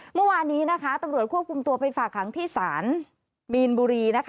เมื่อวานี้ตำรวจควบคุมตัวไปฝากหังที่ศาลบีนบุรี